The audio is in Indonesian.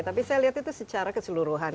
tapi saya lihat itu secara keseluruhan